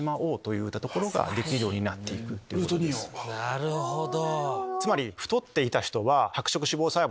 なるほど！